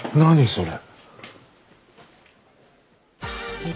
それ。